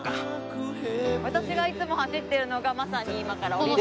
私がいつも走ってるのがまさに今から下りる。